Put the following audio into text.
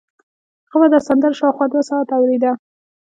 هغه به دا سندره شاوخوا دوه ساعته اورېده